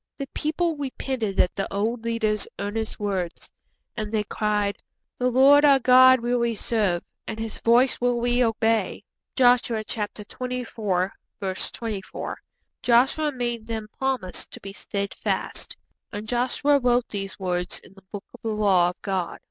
The people repented at the old leader's earnest words, and they cried, 'The Lord our God will we serve, and His voice will we obey.' (Joshua xxiv. 24.) Joshua made them promise to be steadfast. '_And Joshua wrote these words in the Book of the Law of God.